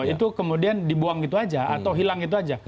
itu kemudian dibuang gitu aja atau hilang itu aja